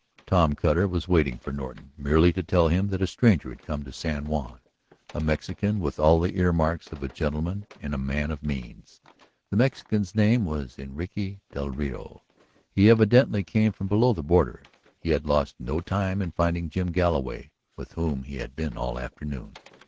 Tom Cutter was waiting for Norton merely to tell him that a stranger had come to San Juan, a Mexican with all the earmarks of a gentleman and a man of means. The Mexican's name was Enrique del Rio. He evidently came from below the border. He had lost no time in finding Jim Galloway, with whom he had been all afternoon.